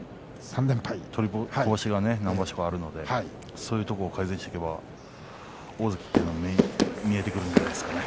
取りこぼしが何場所かあるのでそういうところを改善していけば大関が見えてくるんじゃないですかね。